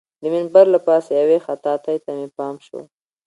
د منبر له پاسه یوې خطاطۍ ته مې پام شو.